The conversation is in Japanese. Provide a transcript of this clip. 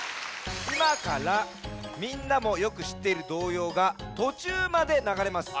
いまからみんなもよくしっている童謡がとちゅうまでながれます。